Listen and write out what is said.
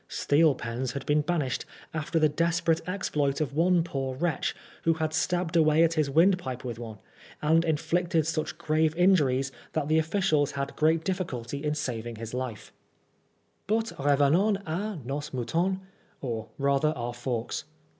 Steel pens had been banished after the desperate exploit of one poor wretch, who had stabbed away at his windpipe with one, and inflicted such grave injuries that the officials had great difficulty in saving his life. AT THE OLD BAILEY. 77 Bnt revenons a nos moutotis, or rather our forks.